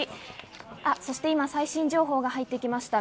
今、最新情報が入ってきました。